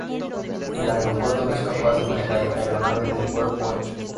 El aeropuerto no es capaz de manejar aeronave de cuerpo ancho.